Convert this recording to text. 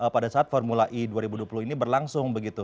pada saat formula e dua ribu dua puluh ini berlangsung begitu